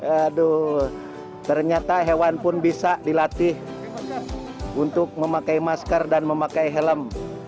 aduh ternyata hewan pun bisa dilatih untuk memakai masker dan memakai helm